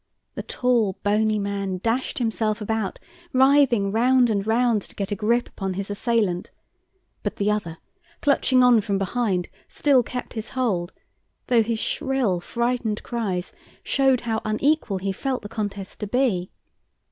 The tall, bony man dashed himself about, writhing round and round to get a grip upon his assailant; but the other, clutching on from behind, still kept his hold, though his shrill, frightened cries showed how unequal he felt the contest to be.